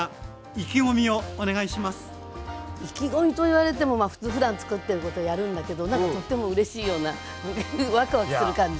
意気込みと言われてもまあ普通ふだん作ってることをやるんだけど何かとってもうれしいようなワクワクする感じ。